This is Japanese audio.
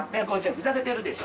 ふざけてるでしょ？